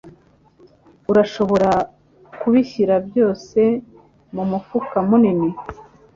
Urashobora kubishyira byose mumufuka munini?